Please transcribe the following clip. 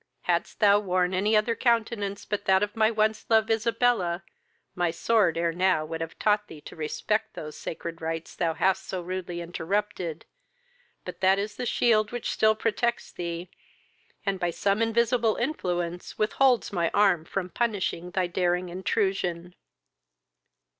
Hadst thou worn any other countenance but that of my once loved Isabella, my sword ere now should have taught thee to respect those sacred rites thou hast so rudely interrupted, but that is the shield which still protects thee, and by some invisible influence withholds my arm from punishing thy daring intrusion.